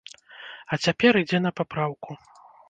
А цяпер ідзе на папраўку.